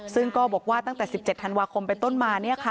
ซึ่งก็บอกว่าตั้งแต่๑๗ธันวาคมไปต้นมา